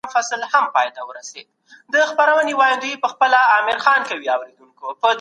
د لويي جرګې د جوړولو له پاره لویه دولتي بودیجه ولي تل ځانګړې کېږي؟